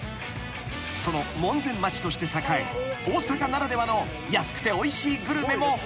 ［その門前町として栄え大阪ならではの安くておいしいグルメも豊富］